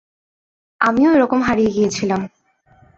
আমিও এরকম হারিয়ে গিয়েছিলাম।